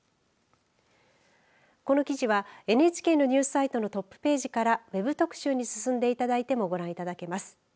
この記事はＮＨＫのニュースサイトのトップページからＷＥＢ特集に進んでいただいてもご覧いただけます。